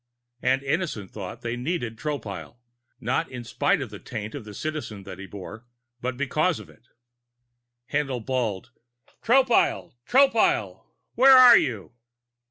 And Innison thought they needed Tropile not in spite of the taint of the Citizen that he bore, but because of it. Haendl bawled: "Tropile! Tropile, where are you?"